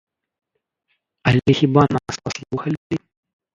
Але хіба нас паслухалі?